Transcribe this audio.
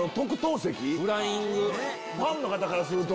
ファンの方からすると。